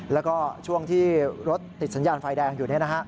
แล้วก็ช่วงที่รถติดสัญญาณไฟแดงอยู่